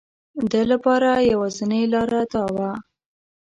ده لپاره یوازینی لاره دا وه.